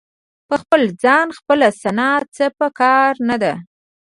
په خپل ځان خپله ثنا څه په کار نه ده.